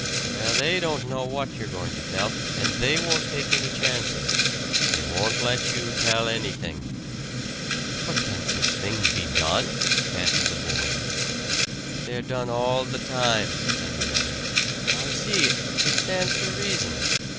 "Well, they don't know what you're going to tell, and they won't take any chances. They won't let you tell anything." "But can such things be done?" panted the boy. "They're done all the time," said the other. "Why, see it stands to reason.